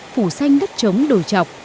phủ xanh đất trống đồi trọc